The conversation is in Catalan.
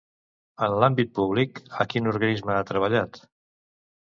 En l'àmbit públic, a quin organisme ha treballat?